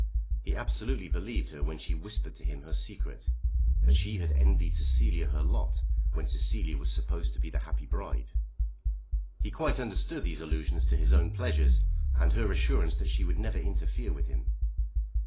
He absolutely believed her when she whispered to him her secret, that she had envied Cecilia her lot when Cecilia was supposed to be the happy bride. He quite understood those allusions to his own pleasures and her assurance that she would never interfere with him.